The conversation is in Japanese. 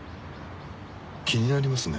気になりますね